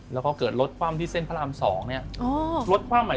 แล้วก็เกิดรถคว่ำที่เส้นพระราม๒เนี่ย